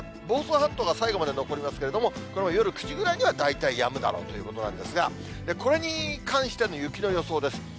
房総半島が最後まで残りますけれども、これも夜９時ぐらいには大体やむだろうということなんですが、これに関しての雪の予想です。